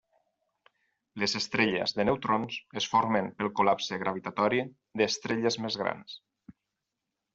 Les estrelles de neutrons es formen pel col·lapse gravitatori d'estrelles més grans.